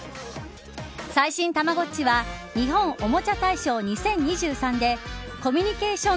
最新たまごっちは日本おもちゃ大賞２０２３でコミュニケーション